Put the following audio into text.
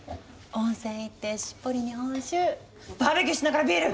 温泉行ってしっぽり日本酒バーベキューしながらビール！